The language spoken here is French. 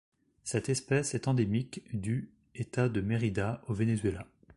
Cette espèce est endémique du État de Mérida au Venezuela.